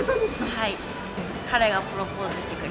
はい。